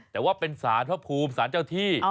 แต่ว่าเป็นสารพระภูมิสารเจ้าที่